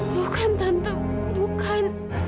bukan tante bukan